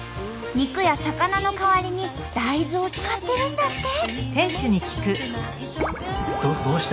肉や魚の代わりに大豆を使ってるんだって。